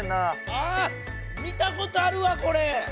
あ見たことあるわこれ！